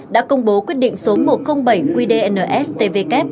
đã công bố quyết định số một trăm linh bảy qdns tvk